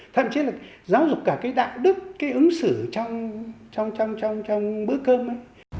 thậm chí là giáo dục cả cái đạo đức cái ứng xử trong bữa cơm ấy